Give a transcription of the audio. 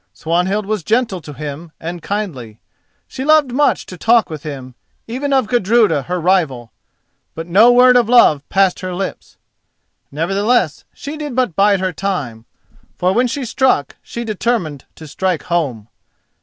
Swanhild was gentle to him and kindly. She loved much to talk with him, even of Gudruda her rival; but no word of love passed her lips. Nevertheless, she did but bide her time, for when she struck she determined to strike home.